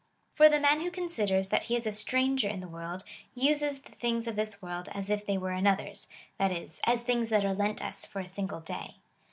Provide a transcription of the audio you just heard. For the man who considers that he is a stranger in the world uses the things of this world as if they were another's — that is, as things that are lent us for a single day.